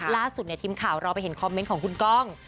ล่าสุดทีมข่าวเราไปเห็นคอมเมนต์ของคุณก้อง